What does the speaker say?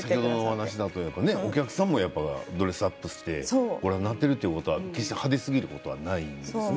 お客様もドレスアップして見ているということで決して派手すぎることはないですね。